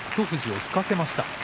富士を引かせました。